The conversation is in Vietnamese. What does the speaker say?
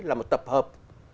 là một tập hợp